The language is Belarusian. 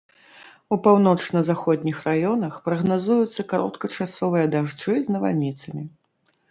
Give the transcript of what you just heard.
У паўночна-заходніх раёнах прагназуюцца кароткачасовыя дажджы з навальніцамі.